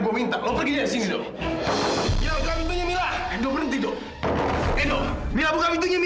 lu jangan sembarangan